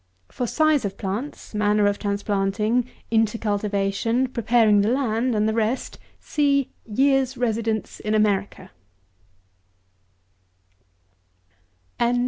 For size of plants, manner of transplanting, intercultivation, preparing the land, and the rest, see "Year's Residence in America." No.